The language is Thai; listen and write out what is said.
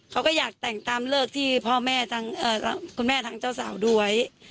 เขาก็อยากแต่งตามเลิกที่คุณแม่ทางเจ้าสาวดูไว้